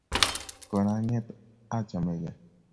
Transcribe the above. Kona ang’eet achamege